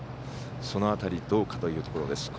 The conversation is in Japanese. その辺りどうかというところです。